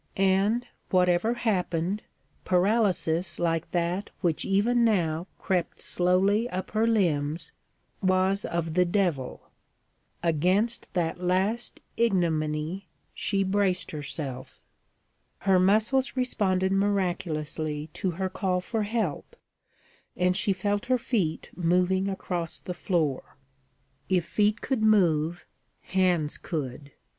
And, whatever happened, paralysis like that which even now crept slowly up her limbs, was of the devil. Against that last ignominy she braced herself. Her muscles responded miraculously to her call for help, and she felt her feet moving across the floor. If feet could move, hands could.